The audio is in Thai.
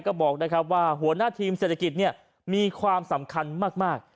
ก็บอกนะครับว่าหัวหน้าทีมเศรษฐกิจมีความสำคัญมาก